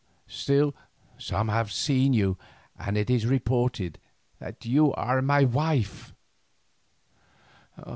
"Still some have seen you and it is reported that you are my wife."